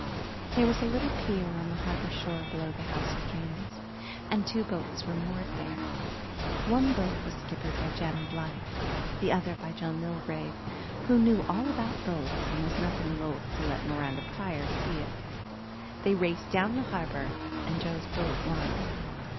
There was a little pier on the harbour shore below the House of Dreams, and two boats were moored there. One boat was skippered by Jem Blythe, the other by Joe Milgrave, who knew all about boats and was nothing loth to let Miranda Pryor see it. They raced down the harbour and Joe's boat won.